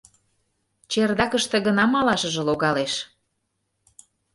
— Чердакыште гына малашыже логалеш...